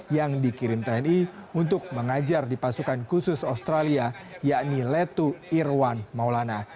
yang dikirim tni untuk mengajar di pasukan khusus australia yakni letu irwan maulana